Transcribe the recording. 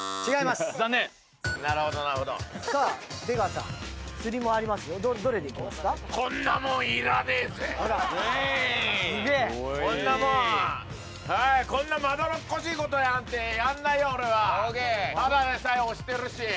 ただでさえ押してるし。